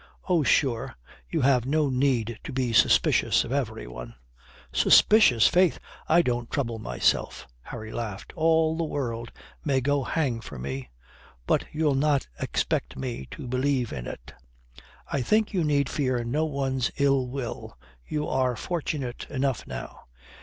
Oh, sure, you have no need to be suspicious of every one." "Suspicious? Faith, I don't trouble myself." Harry laughed. "All the world may go hang for me. But you'll not expect me to believe in it." "I think you need fear no one's ill will. You are fortunate enough now."